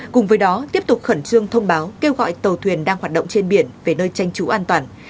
cùng với đó tiếp tục khẩn trương thông báo kêu gọi tàu thuyền đang hoạt động trên biển về nơi tranh trú an toàn